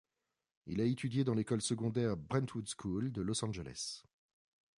Il a étudié dans l'école secondaire Brentwood School de Los Angeles.